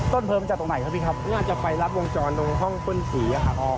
ต้นเพลิมมันจากตรงไหนครับพี่ครับมันอาจจะไปรับวงจรตรงห้องพ่นศรีอ่ะครับ